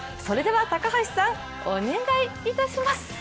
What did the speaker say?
それでは高橋さん、お願いいたします。